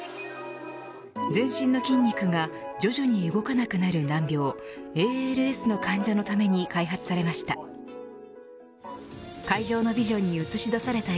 全身の筋肉が徐々に動かなくなる難病ＡＬＳの患者のために開発されました。